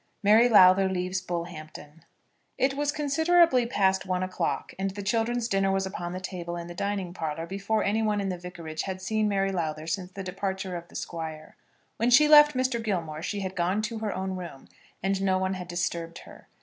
MARY LOWTHER LEAVES BULLHAMPTON. It was considerably past one o'clock, and the children's dinner was upon the table in the dining parlour before anyone in the vicarage had seen Mary Lowther since the departure of the Squire. When she left Mr. Gilmore, she had gone to her own room, and no one had disturbed her.